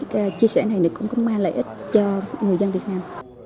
cái chia sẻ này cũng có mang lợi ích cho người dân việt nam